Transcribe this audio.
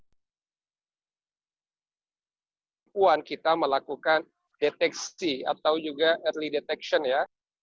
pemilu pemilu pemilu dan kita melakukan deteksi atau juga early detection ya